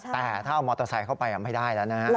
แต่ถ้าเอามอเตอร์ไซค์เข้าไปไม่ได้แล้วนะฮะ